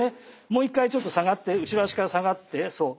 もう一回ちょっと下がって後ろ足から下がってそう。